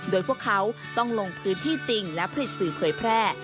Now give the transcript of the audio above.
โดยพวกเขาต้องลงพื้นที่จริงและผลิตสื่อเผยแพร่